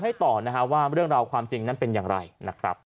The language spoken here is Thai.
ให้ต่อนะฮะว่าเรื่องราวความจริงนั้นเป็นอย่างไรนะครับ